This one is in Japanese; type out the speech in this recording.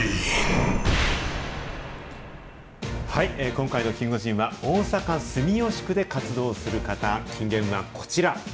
今回のキンゴジンは、大阪・住吉区で活動する方、金言はこちら。